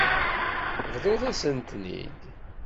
Bḍut-asent-ten-id.